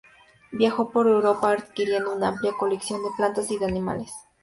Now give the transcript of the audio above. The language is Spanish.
Viajó por Europa adquiriendo una amplia colección de plantas y de animales.